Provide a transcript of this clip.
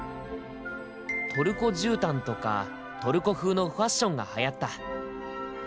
トルコじゅうたんとかトルコ風のファッションがはやった。